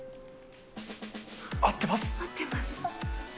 合ってます。